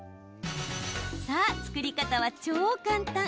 さあ、作り方は超簡単。